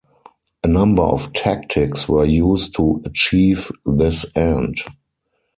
A number of tactics were used to achieve this end.